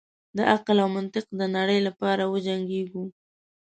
د عقل او منطق د نړۍ لپاره وجنګیږو.